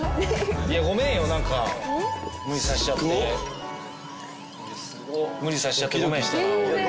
いやごめんよ何か無理させちゃってすごっ無理させちゃってごめん全然！